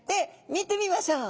見てみましょう。